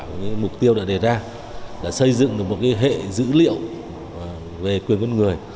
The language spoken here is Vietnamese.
các mục tiêu đã đề ra đã xây dựng được một hệ dữ liệu về quyền con người